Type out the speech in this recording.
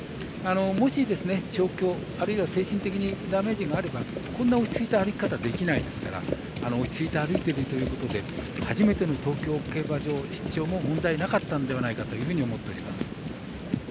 もし、調教、あるいは精神的にダメージがあれば、こんな落ち着いた歩き方できないですから落ち着いて歩いているということで初めての東京競馬場出張も問題なかったんではないかと思います。